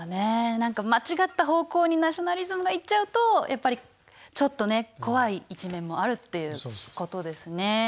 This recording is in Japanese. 何か間違った方向にナショナリズムがいっちゃうとやっぱりちょっとね怖い一面もあるっていうことですね。